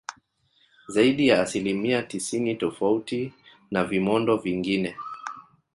kina umbile lenye chuma kwa zaidi ya asilimia tisini tofauti na vimondo vingine